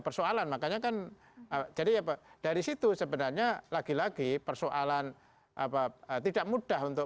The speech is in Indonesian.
persoalan makanya kan jadi dari situ sebenarnya lagi lagi persoalan apa tidak mudah untuk